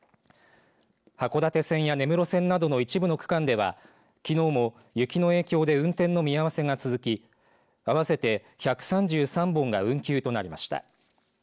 函館線や根室線などの一部の区間ではきのうも雪の影響で運転の見合わせが続き合わせて１３３本が運休となりました。